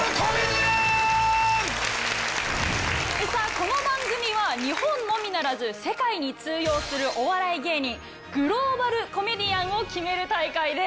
この番組は日本のみならず世界に通用するお笑い芸人グローバルコメディアンを決める大会です。